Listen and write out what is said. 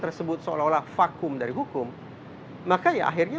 tapi sebenarnya stop dan wolves di sini